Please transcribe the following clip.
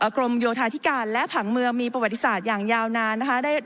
กรมโยธาธิการและผังเมืองมีประวัติศาสตร์อย่างยาวนานนะคะ